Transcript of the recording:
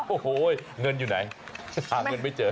โอ้โหเงินอยู่ไหนหาเงินไม่เจอ